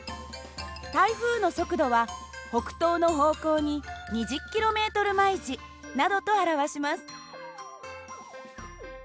台風の速度は北東の方向に２０ｋｍ／ｈなどと表します。